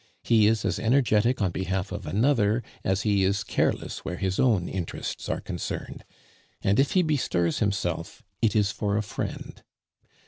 He is as energetic on behalf of another as he is careless where his own interests are concerned; and if he bestirs himself, it is for a friend.